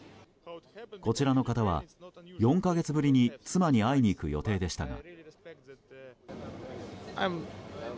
こちらの方は４か月ぶりに妻に会いに行く予定でしたが。